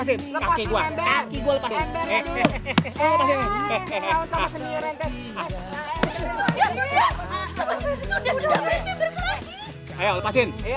eh lepasin endernya